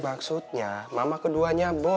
maksudnya mama keduanya boy